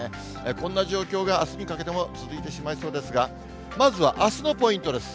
こんな状況があすにかけても続いてしまいそうですが、まずはあすのポイントです。